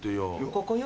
「ここよ」